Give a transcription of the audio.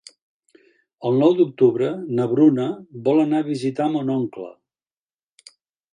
El nou d'octubre na Bruna vol anar a visitar mon oncle.